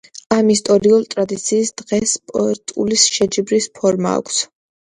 ამ ისტორიულ ტრადიციას დღეს სპორტული შეჯიბრის ფორმა აქვს.